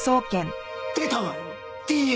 出たわよ！